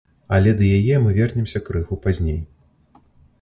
Але да яе мы вернемся крыху пазней.